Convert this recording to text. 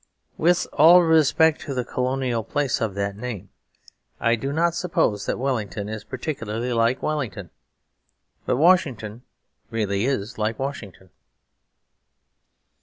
With all respect to the colonial place of that name, I do not suppose that Wellington is particularly like Wellington. But Washington really is like Washington.